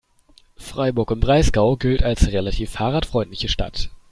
Freiburg im Breisgau gilt als relativ fahrradfreundliche Stadt.